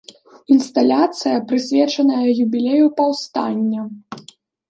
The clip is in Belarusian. Інсталяцыя, прысвечаная юбілею паўстання.